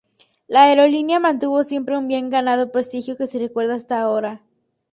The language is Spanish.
La aerolínea mantuvo siempre un bien ganado prestigio que se recuerda hasta ahora.